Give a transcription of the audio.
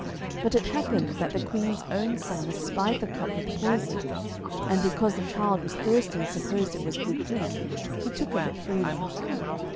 But it happened that the queen's own son espied the cup with poison, and, because the child was thirsty and supposed it was good drink, he took of it freely.